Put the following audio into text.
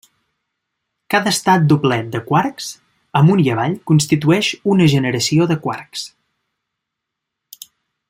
Cada estat doblet de quarks amunt i avall constitueix una generació de quarks.